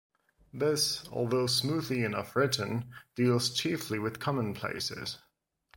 This, although smoothly enough written, deals chiefly with commonplaces.